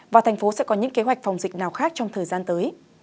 và thành phố sẽ có những kế hoạch phòng dịch nào khác trong thời gian tới